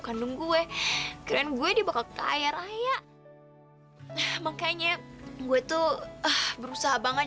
kandung gue keren gue di bakal kaya raya makanya gue tuh berusaha banget